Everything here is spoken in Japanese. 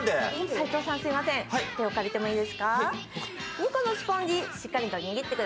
斎藤さん、すみません、手を借りてもいいですか？